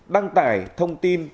đăng tải thông tin